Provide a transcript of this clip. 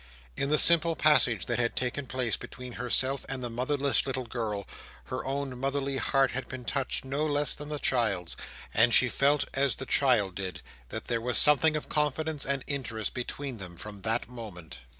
In the simple passage that had taken place between herself and the motherless little girl, her own motherly heart had been touched no less than the child's; and she felt, as the child did, that there was something of confidence and interest between them from that moment.